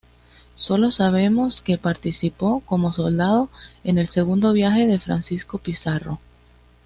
Solo sabemos que participó como soldado en el segundo viaje de Francisco Pizarro.